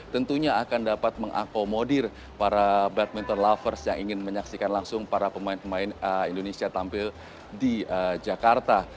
tentunya akan dapat mengakomodir para badminton lovers yang ingin menyaksikan langsung para pemain pemain indonesia tampil di jakarta